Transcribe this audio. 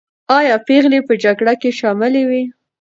آیا پېغلې په جګړه کې شاملي وې؟